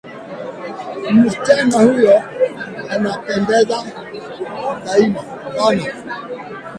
Msichana huyo anapendeza sana